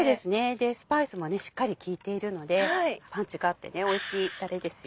スパイスもしっかり利いているのでパンチがあっておいしいタレですよ。